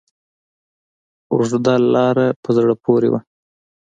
اوږده لاره په زړه پورې وه.